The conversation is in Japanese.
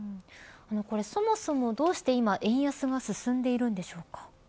そもそもどうして今円安が進んでいるんでしょうか。